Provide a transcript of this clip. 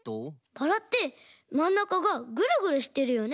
バラってまんなかがぐるぐるしてるよね。